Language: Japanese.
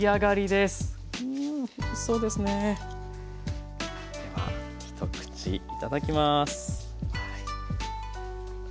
では一口いただきます。